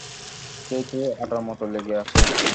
সেই তো আঠার মত লেগে আছে।